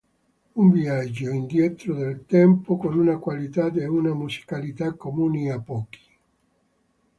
Un viaggio indietro nel tempo con una qualità e una musicalità comuni a pochi".